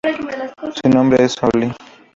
Su nombre es Olly.